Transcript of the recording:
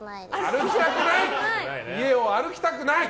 家を歩きたくない！